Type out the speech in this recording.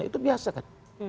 itu biasa kan